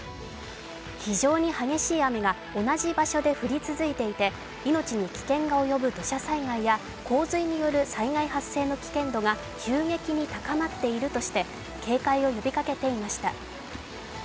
非常に激しい雨が同じ場所で降り続いていて命に危険が及ぶ土砂災害や洪水による災害発生の危険度が急激に高まっているとして警戒を呼びかけていました。